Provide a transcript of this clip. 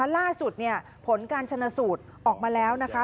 ล่าสุดผลการชนะสูตรออกมาแล้วนะคะ